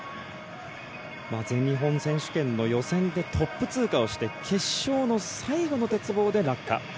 全日本選手権の予選でトップ通過をして決勝の最後の鉄棒で落下。